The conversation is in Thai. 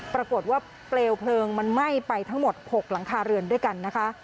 ปรากฏว่าเปลวเพลิงมันไหม้ไปทั้งหมด๖หลังคาเรือนด้วยกันนะคะ